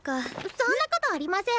そんなことありません。